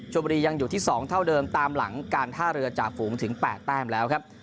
บุรียังอยู่ที่๒เท่าเดิมตามหลังการท่าเรือจ่าฝูงถึง๘แต้มแล้วครับ